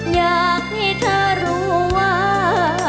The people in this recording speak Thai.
อยากให้เธอรู้ว่า